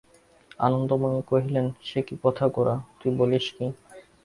আনন্দময়ী কহিলেন, সে কী কথা গোরা, তুই বলিস কী!